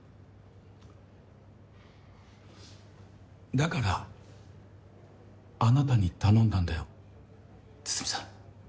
だからあなたに頼んだんだよ筒見さん。